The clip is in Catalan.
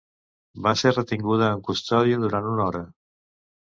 Va ser retinguda en custòdia durant una hora.